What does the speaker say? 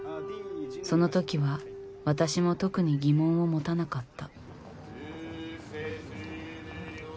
そのときは私も特に疑問を持たなかった。